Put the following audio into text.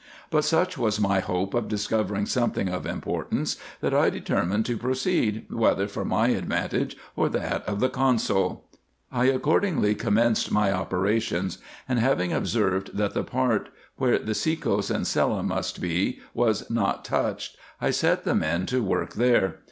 But such was my hope of discovering something of importance, that I determined to proceed, whether for my ad vantage or that of the consul. I accordingly commenced my operations, and having observed, that the part where the sekos and cella must be was not touched, I set the men to work there.